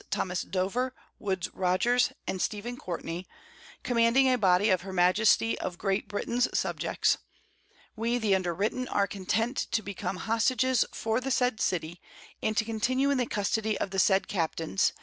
Thomas Dover, Woodes Rogers, and Stephen Courtney, commanding a Body of Her Majesty of Great Britain's Subjects: We the underwritten are content to become Hostages for the said City, and to continue in the Custody of the said Capts.